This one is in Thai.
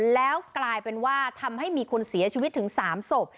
แล้วกลายเป็นว่าทำให้มีคนเสียชีวิตถึง๓ศพ